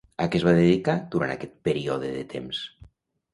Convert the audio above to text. A què es va dedicar durant aquest període de temps?